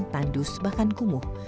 tandus bahkan kumuh